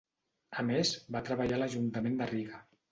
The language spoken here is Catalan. A més, va treballar a l'Ajuntament de Riga.